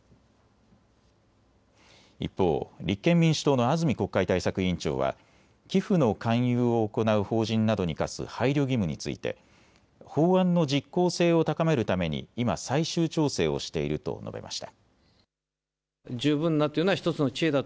一方、立憲民主党の安住国会対策委員長は寄付の勧誘を行う法人などに課す配慮義務について法案の実効性を高めるために今、最終調整をしていると述べました。